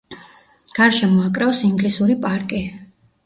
გარშემო აკრავს ინგლისური პარკი.